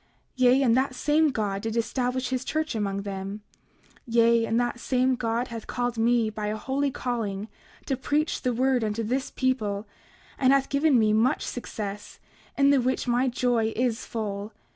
29:13 Yea, and that same God did establish his church among them; yea, and that same God hath called me by a holy calling, to preach the word unto this people, and hath given me much success, in the which my joy is full.